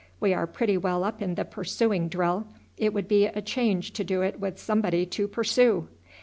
We are pretty well up in the pursuing drill; it would be a change to do it with somebody to pursue.